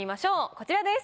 こちらです。